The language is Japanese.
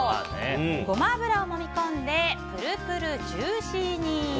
ゴマ油をもみ込んでプルプルジューシーに。